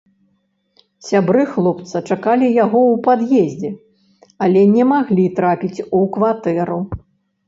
Сябры хлопца чакалі яго ў пад'ездзе, але не маглі трапіць у кватэру.